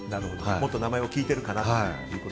もっと名前を聞いているかなと。